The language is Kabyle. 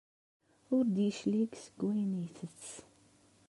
Ur d-yeclig seg wayen ay ittett.